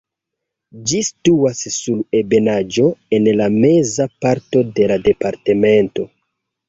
Ĝi situas sur ebenaĵo en la meza parto de la departemento.